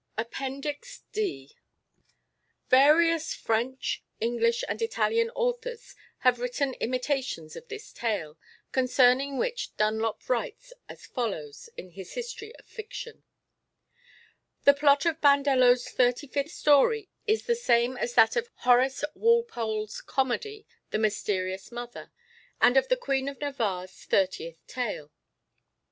Page 191). Various French, English and Italian authors have written imitations of this tale, concerning which Dunlop writes as follows in his History of Fiction: "The plot of Bandello's thirty fifth story is the same as that of Horace Walpole's comedy The Mysterious Mother, and of the Queen of Navarre's thirtieth tale.